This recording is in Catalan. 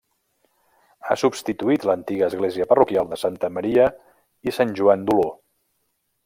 Ha substituït l'antiga església parroquial de Santa Maria i Sant Joan d'Oló.